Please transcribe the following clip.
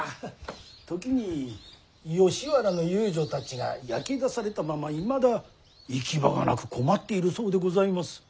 時に吉原の遊女たちが焼け出されたままいまだ行き場がなく困っているそうでございます。